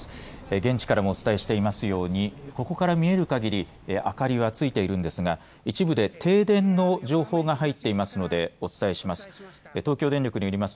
現地からもお伝えしていますようにここから見えるかぎり明かりはついているんですが一部で停電の情報が入っていますのでお伝えします。